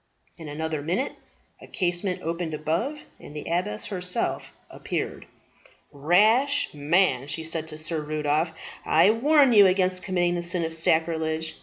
In another minute a casement opened above, and the abbess herself appeared. "Rash man," she said to Sir Rudolph, "I warn you against committing the sin of sacrilege.